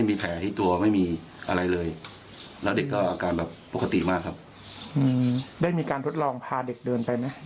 ให้เดิน๑๐นาทีเด็กเดินไป